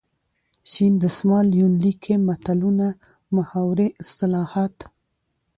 شین دسمال یونلیک کې متلونه ،محاورې، اصطلاحات .